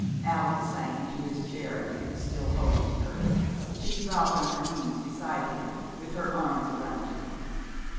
Allan sank into his chair again, still holding her. She dropped on her knees beside him, with her arms around him.